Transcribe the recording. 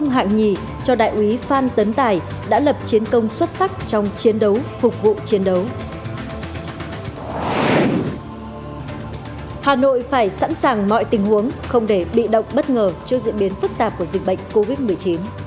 hà nội phải sẵn sàng mọi tình huống không để bị động bất ngờ trước diễn biến phức tạp của dịch bệnh covid một mươi chín